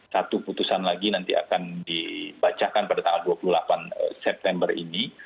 satu putusan lagi nanti akan dibacakan pada tanggal dua puluh delapan september ini